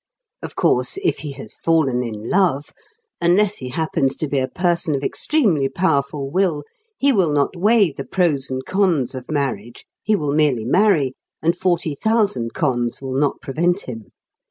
Of course, if he has fallen in love, unless he happens to be a person of extremely powerful will, he will not weigh the pros and cons of marriage; he will merely marry, and forty thousand cons will not prevent him.